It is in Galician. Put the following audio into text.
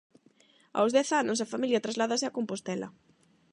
Aos dez anos a familia trasládase a Compostela.